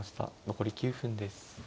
残り９分です。